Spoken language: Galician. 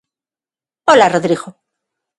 Ola, Rodrigo!